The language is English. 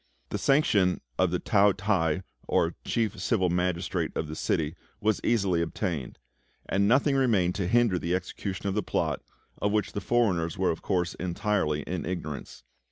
The sanction of the Tao t'ai, or chief civil magistrate of the city, was easily obtained; and nothing remained to hinder the execution of the plot, of which the foreigners were of course entirely in ignorance.